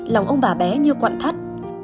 lòng ông bà bé như quặn thắt